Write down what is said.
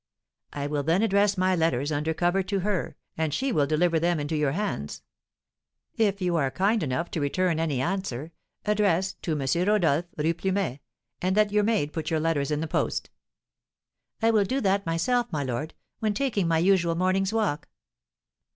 "I will then address my letters under cover to her, and she will deliver them into your hands. If you are kind enough to return any answer, address 'To M. Rodolph, Rue Plumet,' and let your maid put your letters in the post." "I will do that myself, my lord, when taking my usual morning's walk."